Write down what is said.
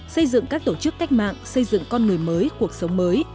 xây dựng các tổ chức cách mạng xây dựng con người mới cuộc sống mới